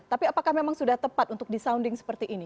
tapi apakah memang sudah tepat untuk disounding seperti ini